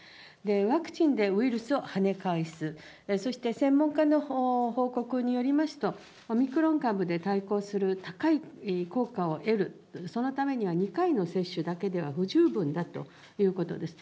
ワクチンでウイルスを跳ね返す、そして専門家の報告によりますと、オミクロン株で対抗する高い効果を得る、そのためには２回の接種だけでは不十分だということです。